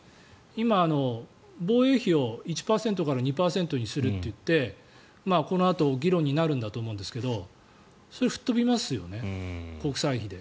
今、防衛費を１％から２％にするといってこのあと議論になるんだと思うんですけどそれ吹っ飛びますよね国債費で。